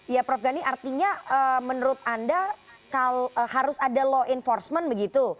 ya prof gani artinya menurut anda harus ada law enforcement begitu